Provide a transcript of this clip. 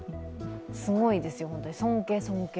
すごいですよ、尊敬、尊敬。